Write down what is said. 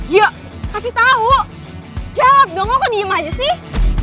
yo kasih tau jawab dong lo kok diem aja sih